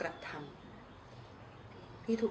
แล้วบอกว่าไม่รู้นะ